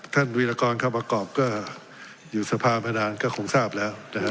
ท่านวิรากรครับอากอบก็อยู่สภาพนานก็คงทราบแล้วนะครับ